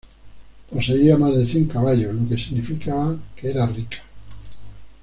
Poseía más de cien caballos, lo que significaba que era rica.